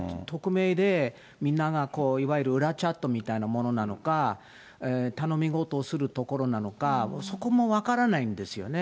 匿名で、みんながいわゆる裏チャットみたいなものなのか、頼みごとをする所なのか、そこも分からないんですよね。